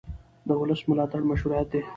د ولس ملاتړ مشروعیت دی